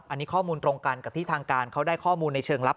อันนี้ข้อมูลตรงกันกับที่ทางการเขาได้ข้อมูลในเชิงลับ